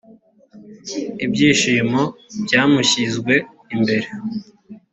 ibyishimo byamushyizwe imbere